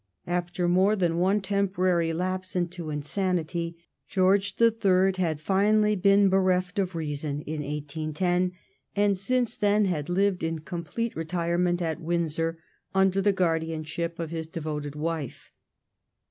After more than one temporary lapse into insanity, George III. had been finally bereft of reason in 1810, and since then had lived in complete retirement at Windsor, under the guardianship of his devoted wife.